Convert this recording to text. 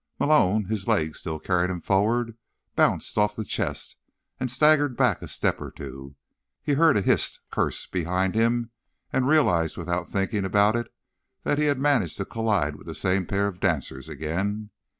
Malone, his legs still carrying him forward, bounced off the chest and staggered back a step or two. He heard a hissed curse behind him, and realized without thinking about it that he had managed to collide with the same pair of dancers again.